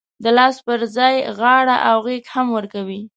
د لاس پر ځای غاړه او غېږ هم ورکوي.